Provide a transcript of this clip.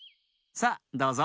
さっどうぞ。